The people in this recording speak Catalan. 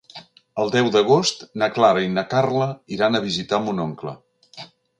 El deu d'agost na Clara i na Carla iran a visitar mon oncle.